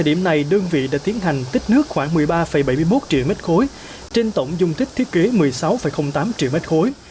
điểm này đơn vị đã tiến hành tích nước khoảng một mươi ba bảy mươi một triệu mét khối trên tổng dung tích thiết kế một mươi sáu tám triệu mét khối